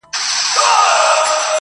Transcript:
نه یې وېره وه له خدایه له دې کاره-